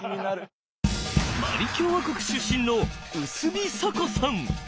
マリ共和国出身のウスビ・サコさん！